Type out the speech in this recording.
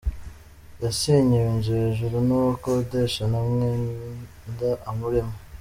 Yasenyewe inzu hejuru n’uwo akodesha nta mwenda amurimo